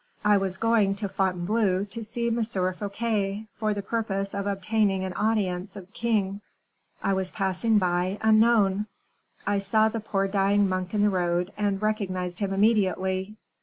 I was going to Fontainebleau to see M. Fouquet, for the purpose of obtaining an audience of the king. I was passing by, unknown; I saw the poor dying monk in the road, and recognized him immediately.